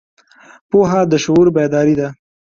پوهه د شعور بیداري راولي.